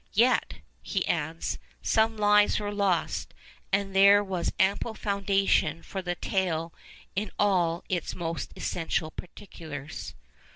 Yet,' he adds, 'some lives were lost, and there was ample foundation for the tale in all its most essential particulars.